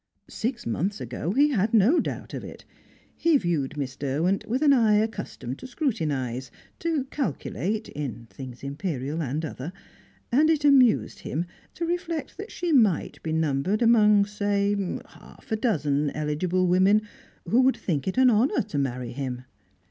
Six months ago, he had no doubt of it. He viewed Miss Derwent with an eye accustomed to scrutinise, to calculate (in things Imperial and other), and it amused him to reflect that she might be numbered among, say, half a dozen eligible women who would think it an honour to marry him.